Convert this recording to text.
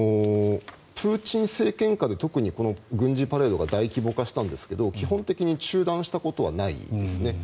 プーチン政権下で特に軍事パレードが大規模化したんですが基本的に中断したことはないですね。